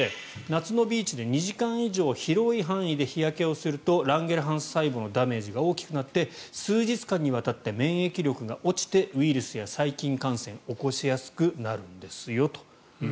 夏のビーチで２時間以上広い範囲で日焼けをするとランゲルハンス細胞のダメージが大きくなって数日間にわたって免疫力が落ちてウイルスや細菌感染を起こしやすくなるんですよと。